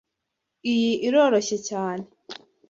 Iyi iroroshye cyane.